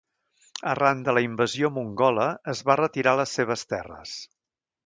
Arran de la invasió mongola es va retirar a les seves terres.